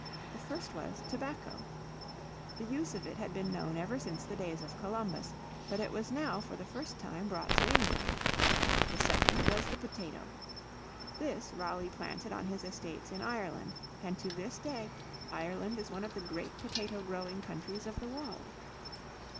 The first was tobacco. The use of it had been known ever since the days of Columbus, but it was now for the first time brought to England. The second was the potato. This Raleigh planted on his estates in Ireland, and to this day Ireland is one of the great potato growing countries of the world.